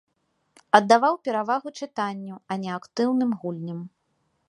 Аддаваў перавагу чытанню, а не актыўным гульням.